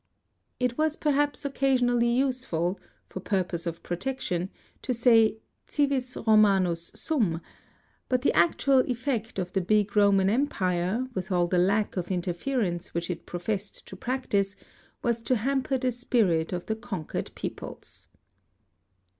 It was perhaps occasionally useful, for purpose of protection, to say civis Romanus sum, but the actual effect of the big Roman Empire, with all the lack of interference which it pro fessed to practice, was to hamper the spirit of the conquered peoples.